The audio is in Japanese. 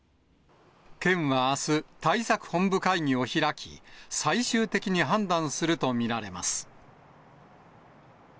県はあす、対策本部会議を開き、最終的に判断すると見られます。